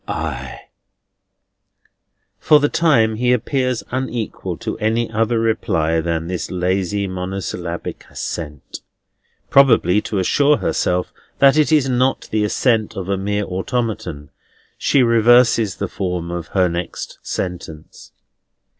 "Ay." For the time he appears unequal to any other reply than this lazy monosyllabic assent. Probably to assure herself that it is not the assent of a mere automaton, she reverses the form of her next sentence.